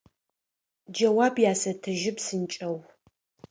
Джэуап ясэтыжьы псынкӏэу…